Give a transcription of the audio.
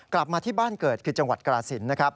กลับมาที่บ้านเกิดคือจังหวัดกราศิน